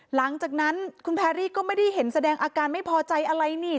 หลังจากนั้นคุณแพรรี่ก็ไม่ได้เห็นแสดงอาการไม่พอใจอะไรนี่